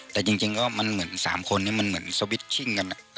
แต่จริงก็มันเหมือน๓คนนี้มันเหมือนสวิตชิ้งกัน